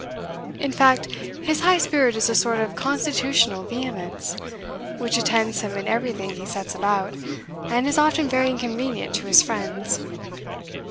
In fact, his high spirit is a sort of constitutional vehemence, which attends him in everything he sets about, and is often very inconvenient to his friends.